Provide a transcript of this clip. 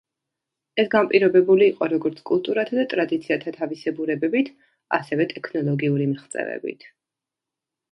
ეს განპირობებული იყო როგორც კულტურათა და ტრადიციათა თავისებურებებით, ასევე ტექნოლოგიური მიღწევებით.